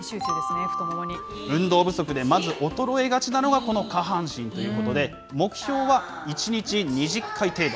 運動不足でまず衰えがちなのが、この下半身ということで、目標は１日２０回程度。